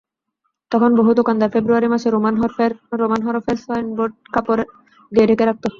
তখন বহু দোকানদার ফেব্রুয়ারি মাসে রোমান হরফের সাইনবোর্ড কাপড় দিয়ে ঢেকে রাখত।